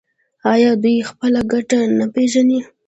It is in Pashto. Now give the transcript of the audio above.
آیا دوی خپله ګټه نه پیژني؟